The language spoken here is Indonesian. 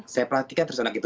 saya pelatih kan terus anak itu